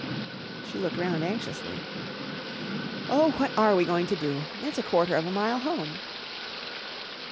She looked round anxiously. "Oh, what are we going to do? It's a quarter of a mile home!"